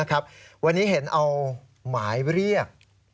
นะครับวันนี้เห็นเอาหมายเรียก